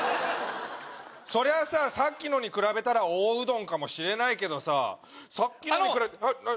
そりゃあささっきのに比べたら大うどんかもしれないけどささっきのに比べあの！